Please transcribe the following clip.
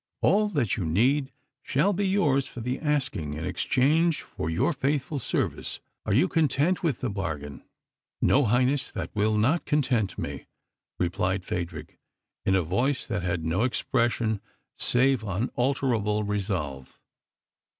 All that you need shall be yours for the asking in exchange for your faithful service. Are you content with the bargain?" "No, Highness, that will not content me," replied Phadrig, in a voice that had no expression save unalterable resolve.